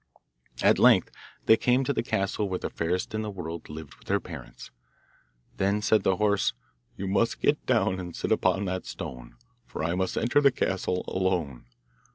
At length they came to the castle where the fairest in the world lived with her parents. Then said the horse, 'You must get down and sit upon that stone, for I must enter the castle alone.